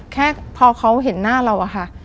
แค่พอเขาเห็นหน้าเราอะค่ะ